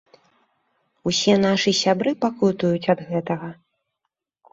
Усе нашы сябры пакутуюць ад гэтага.